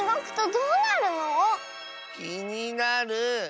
きになる。